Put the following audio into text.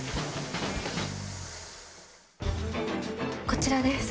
こちらです。